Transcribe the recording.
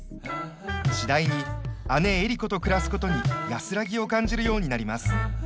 次第に姉江里子と暮らすことに安らぎを感じるようになります。